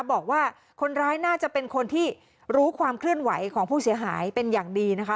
บอกว่าคนร้ายน่าจะเป็นคนที่รู้ความเคลื่อนไหวของผู้เสียหายเป็นอย่างดีนะคะ